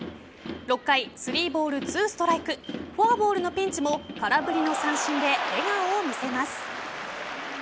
６回、３ボール２ストライクフォアボールのピンチも空振りの三振で笑顔を見せます。